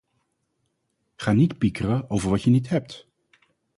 Ga niet piekeren over wat je niet hebt.